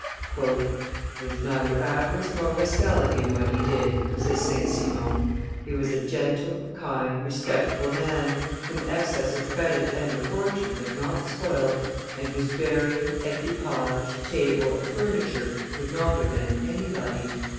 "There was neither avarice nor rascality in what he did," says St. Simon; "he was a gentle, kind, respectful man, whom excess of credit and of fortune had not spoilt, and whose bearing, equipage, table, and furniture could not offend anybody.